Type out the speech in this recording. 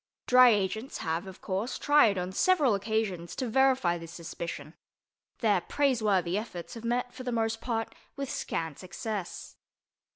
Dry agents have, of course, tried on several occasions to verify this suspicion; their praiseworthy efforts have met, for the most part, with scant success.